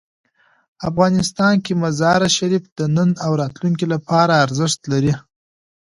افغانستان کې مزارشریف د نن او راتلونکي لپاره ارزښت لري.